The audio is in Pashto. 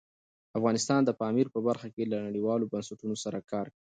افغانستان د پامیر په برخه کې له نړیوالو بنسټونو سره کار کوي.